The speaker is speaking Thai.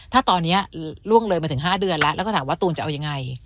ถ้าตอนนี้ล่วงเลยมาถึง๕เดือนแล้วแล้วก็ถามว่าตูนจะเอายังไง